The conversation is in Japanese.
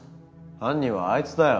犯人はあいつだよ。